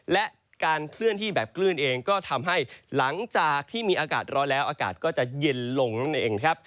และการเคลื่อนที่แบบคลื่นเองก็ทำให้หลังจากที่มีอากาศร้อนแล้วอากาศก็จะเย็นลงนั่นเองนะครับ